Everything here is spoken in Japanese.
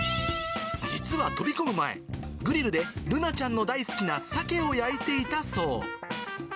実は飛び込む前、グリルでルナちゃんの大好きなサケを焼いていたそう。